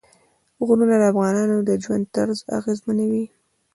غرونه د افغانانو د ژوند طرز اغېزمنوي.